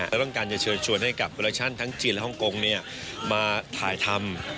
และต้องการจะเชิญชวนให้กับเวอร์เลชั่นทั้งจีนและฮ่องกงมาถ่ายทำ